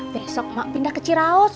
besok mak pindah ke ciraus